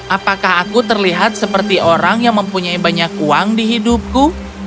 apakah aku terlihat seperti orang yang mempunyai banyak uang di hidupku